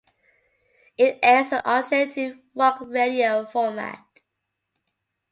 It airs an Alternative rock radio format.